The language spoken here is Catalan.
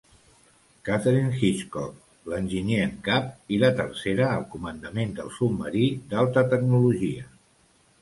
Katherine Hitchcock, l'enginyer en cap, i la tercera al comandament del submarí d'alta tecnologia.